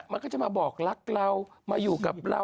มันก็จะมาบอกรักเรามาอยู่กับเรา